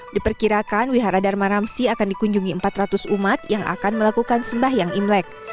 diperkirakan wihara dharma ramsi akan dikunjungi empat ratus umat yang akan melakukan sembahyang imlek